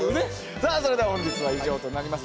さあそれでは本日は以上となります。